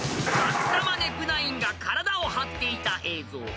［爆さまネプナインが体を張っていた映像］